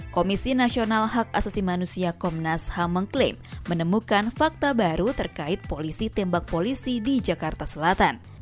komisi nasional hak asasi manusia komnas ham mengklaim menemukan fakta baru terkait polisi tembak polisi di jakarta selatan